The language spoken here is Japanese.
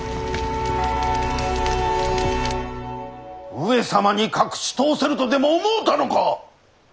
上様に隠し通せるとでも思うたのか！